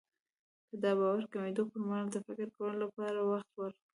که د باور کمېدو پرمهال د فکر کولو لپاره وخت ورکړئ.